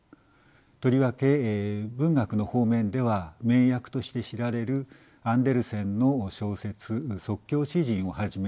とりわけ文学の方面では名訳として知られるアンデルセンの小説「即興詩人」をはじめ